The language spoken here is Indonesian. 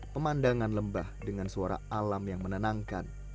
pemandangan lembah dengan suara alam yang menenangkan